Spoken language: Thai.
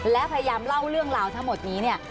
และพยายามเล่าเรื่องราวทั้งหมดนี้เนี่ย